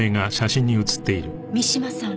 三島さん？